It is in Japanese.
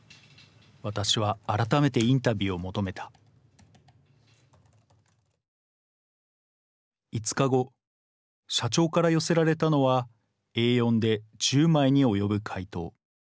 私は改めてインタビューを求めた５日後社長から寄せられたのはＡ４で１０枚に及ぶ回答。